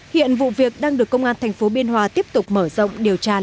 hiện vụ việc đang được công an tp biên hòa tiếp tục mở rộng điều tra làm rõ